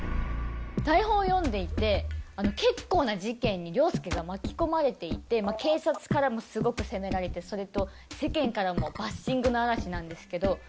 台本を読んでいて結構な事件に凌介が巻き込まれていて警察からもすごく責められてそれと世間からもバッシングの嵐なんですけど。